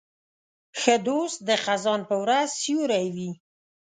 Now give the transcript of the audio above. ښه دوست د خزان په ورځ سیوری وي.